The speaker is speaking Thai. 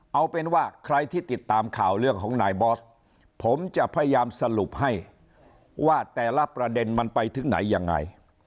เอาเป็นว่าใครที่ติดตามข่าวเรื่องของนายบอสผมจะพยายามสรุปให้ว่าแต่ละประเด็นมันไปถึงไหนยังไง